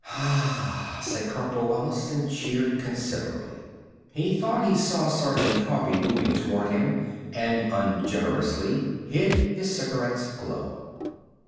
"Ah!" said Corporal Wallis, and cheered considerably. He thought he saw Sergeant Coffee moving toward him and ungenerously hid his cigarette's glow.